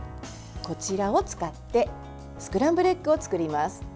こちらを使ってスクランブルエッグを作ります。